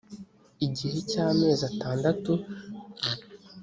igihe cy amezi atandatu